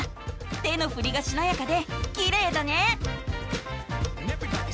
手のふりがしなやかできれいだね。